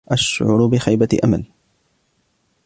أشعر بخيبة أمل.